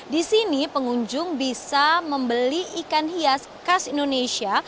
di sini pengunjung bisa membeli ikan hias khas indonesia